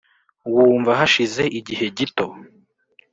Wumva hashize igihe gito